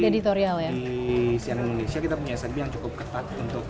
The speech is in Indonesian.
dan itu cukup menarik